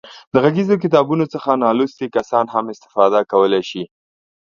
د غږیزو کتابونو څخه نالوستي کسان هم استفاده کولای شي.